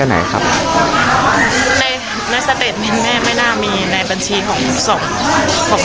และหลัวตัวหนูเองก็มีลูกสองคน